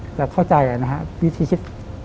จะเข้าใจวิธีคิด